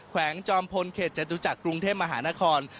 วงจอมพลเขตจตุจักรกรุงเทพมหานคร